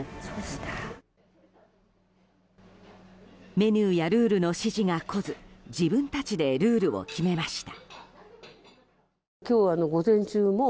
メニューやルールの指示が来ず自分たちでルールを決めました。